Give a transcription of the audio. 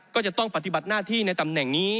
ก็จะต้องปฏิบัติหน้าที่ในตำแหน่งนี้